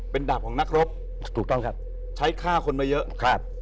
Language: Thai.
เป็นดาบของนักรบใช้ฆ่าคนมาเยอะครับถูกต้องครับ